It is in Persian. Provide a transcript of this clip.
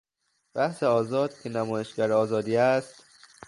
بحث آزاد که نمایشگر آزادی است...